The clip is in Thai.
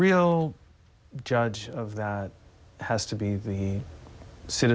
ที่ลองการประกอบสถานี